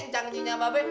janjinya mbak be